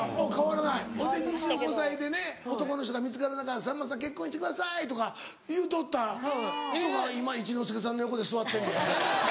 ２５歳で男の人が見つからないからさんまさん結婚してくださいとか言うとった人が今一之輔さんの横で座ってんで。